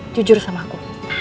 jujur sama aku